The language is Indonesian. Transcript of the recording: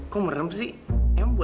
kamuiem berpikir kepadaku